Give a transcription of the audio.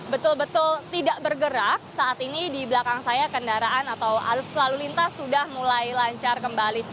betul betul tidak bergerak saat ini di belakang saya kendaraan atau arus lalu lintas sudah mulai lancar kembali